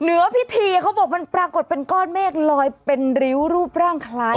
เหนือพิธีเขาบอกมันปรากฏเป็นก้อนเมฆลอยเป็นริ้วรูปร่างคล้าย